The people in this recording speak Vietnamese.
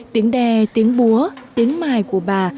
tiếng đe tiếng búa tiếng mài của bà